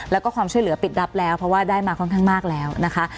แล้วก็ความช่วยเหลือปิดรับแล้วเพราะว่าได้มาค่อนข้างมากแล้วนะคะ